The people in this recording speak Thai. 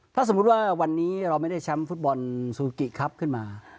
ถ้าสมมุติว่าวันนี้เราไม่ได้แชมป์ฟุตบอลซูกิครับขึ้นมา